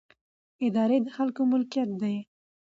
ادارې د خلکو ملکیت دي